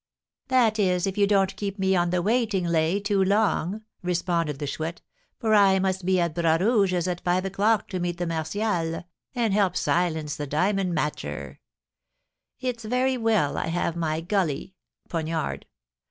"That is, if you don't keep me on the 'waiting lay' too long," responded the Chouette; "for I must be at Bras Rouge's at five o'clock to meet the Martials, and help silence the diamond matcher. It's very well I have my 'gulley' (poniard).